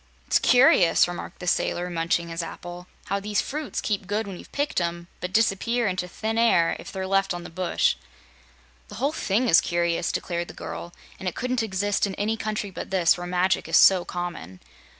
"It's curious," remarked the sailor, munching his apple, "how these fruits keep good when you've picked 'em, but dis'pear inter thin air if they're left on the bush." "The whole thing is curious," declared the girl, "and it couldn't exist in any country but this, where magic is so common.